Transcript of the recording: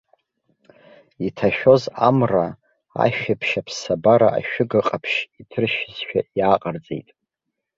Иҭашәоз амра, ашәаԥшь аԥсабара ашәыга ҟаԥшь иҭыршьызшәа иааҟарҵеит.